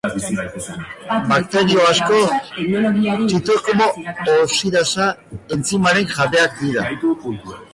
Bakterio asko zitokromo-oxidasa entzimaren jabeak dira.